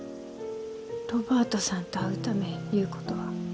ロバートさんと会うためいうことは？